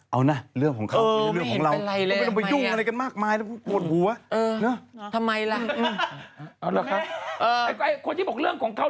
เอานะเรื่องของเขาเป็นเรื่องของเรา